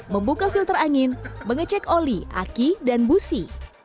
membuka filter angin mengecek oli aki dan busi